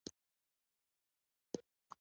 منیر هزاروي صیب هرکلي ته راغلي ول.